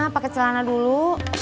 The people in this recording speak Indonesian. pakai celana dulu